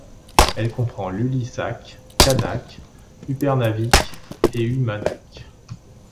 Elle comprend Ilulissat, Qaanaaq, Upernavik et Uummannaq.